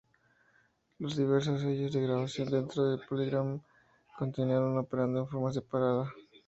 Los diversos sellos de grabación dentro de PolyGram continuaron operando en forma separada.